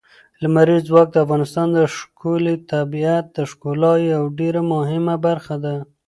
لمریز ځواک د افغانستان د ښکلي طبیعت د ښکلا یوه ډېره مهمه برخه ده.